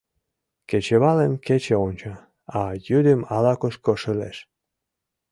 — Кечывалым кече онча, а йӱдым ала-кушко шылеш.